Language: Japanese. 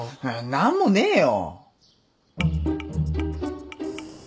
何もねえよ。